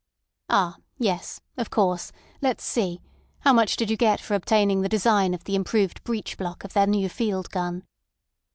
"Ah! Yes. Of course. Let's see. How much did you get for obtaining the design of the improved breech block of their new field gun?"